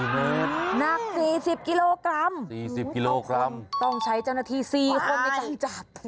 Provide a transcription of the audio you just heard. ๔เมตรนัก๔๐กิโลกรัมต้องใช้จณฐี๔คนในการจับ